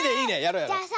じゃあさ